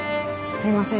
すいません。